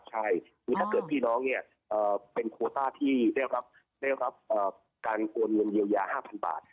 หรือถ้าเกิดพี่น้องเป็นโควต้าที่เรียกว่าการโอนเงินเยียวยา๕๐๐๐บาท